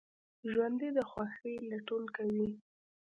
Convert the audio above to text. ژوندي د خوښۍ لټون کوي